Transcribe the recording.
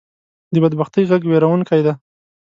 د بدبختۍ غږ وېرونکې دی